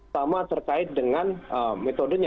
sama terkait dengan metodenya